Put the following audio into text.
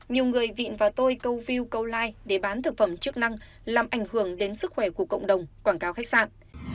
nhiều người vịn vào tôi câu view câu like để bán thực phẩm chức năng làm ảnh hưởng đến sức khỏe của cộng đồng quảng cáo khách sạn